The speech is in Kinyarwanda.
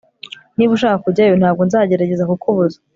Niba ushaka kujyayo ntabwo nzagerageza kukubuza